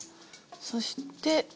そして。